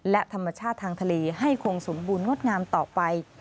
และธรรมชาติทางทะเลให้คงสมบูรณงดงามต่อไป